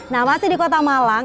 nah masih di kota malang